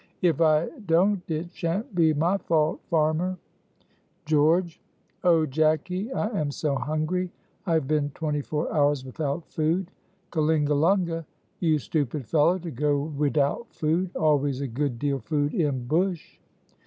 "If I don't it shan't be my fault, farmer." George. "Oh, Jacky, I am so hungry! I have been twenty four hours without food." Kalingalunga. "You stupid fellow to go widout food, always a good deal food in bush."